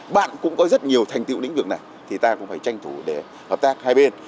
bạn cũng có rất nhiều thành tiệu lĩnh vực này thì ta cũng phải tranh thủ để hợp tác hai bên